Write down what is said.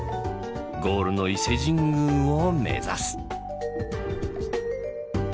ゴールの伊勢神宮を目指す。